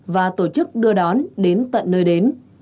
và tổ chức đưa đón đến tận nơi đến